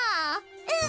うん！